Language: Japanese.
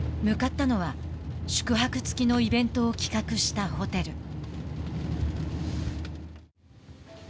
向かったのは宿泊付きのイベントを企画したホテル。